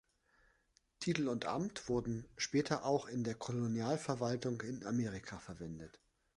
Titel und Amt wurden später auch in der Kolonialverwaltung in Amerika verwendet.